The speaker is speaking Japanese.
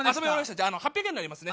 じゃあ８００円になりますね。